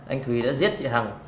anh thùy đã giết chị hằng